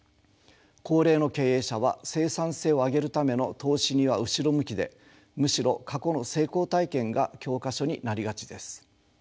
高齢の経営者は生産性を上げるための投資には後ろ向きでむしろ過去の成功体験が教科書になりがちです。